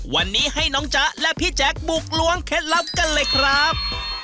วันนี้ให้น้องจ๊ะและพี่แจ๊คบุกล้วงเคล็ดลับกันเลยครับ